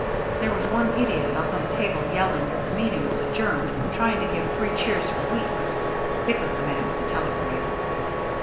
There was one idiot up on the table yelling that the meeting was adjourned and trying to give three cheers for Weeks." (It was the man with the telegram.)